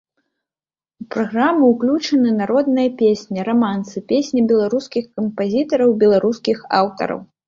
У праграму ўключаны народныя песні, рамансы, песні беларускіх кампазітараў і беларускіх аўтараў.